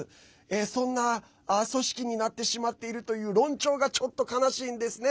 そんな組織になってしまっているという論調がちょっと悲しいんですね。